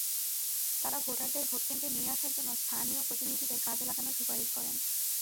তাঁরা ভোটারদের ভোটকেন্দ্রে নিয়ে আসার জন্য স্থানীয় জনপ্রতিনিধিদের কাজে লাগানোর সুপারিশ করেন।